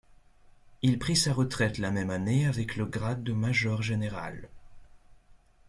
Il prit sa retraite la même année avec le grade de major général.